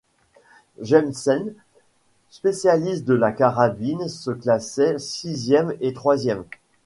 Jensen spécialiste de la carabine se classait sixième et troisième.